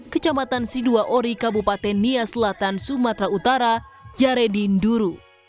kecamatan siduo ori kabupaten nia selatan sumatera utara jaredin duru